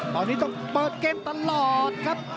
ตอนนี้ต้องเปิดเกมตลอดครับ